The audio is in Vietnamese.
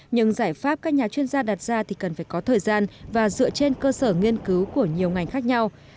nhưng giải pháp các nhà chuyên gia đặt ra thì cần phải có thời gian và dựa trên cơ sở nghiên cứu của nhiều ngành khác nhau